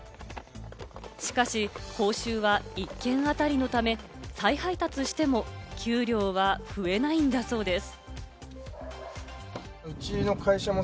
しかし報酬は１件当たりのため、再配達しても給料は増えないんだそうです。